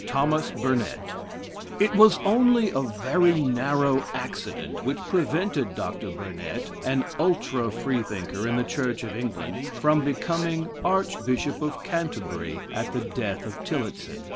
THOMAS BURNET It was only a very narrow accident which prevented Dr. Burnet, an ultra Freethinker in the Church of England, from becoming Archbishop of Canterbury at the death of Tillotson.